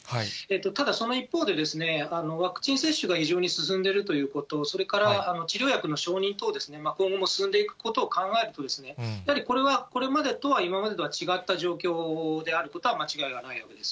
ただその一方で、ワクチン接種が非常に進んでいるということ、それから治療薬の承認等、今後進んでいくことを考えると、やはりこれは、これまでとは違った状況であることは間違いはないわけです。